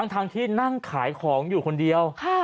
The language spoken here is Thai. ทั้งที่นั่งขายของอยู่คนเดียว